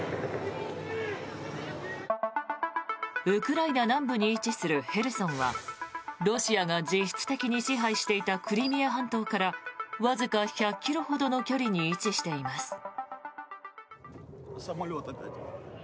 ウクライナ南部に位置するヘルソンはロシアが実質的に支配していたクリミア半島からわずか１００ｋｍほどの距離に位置しています。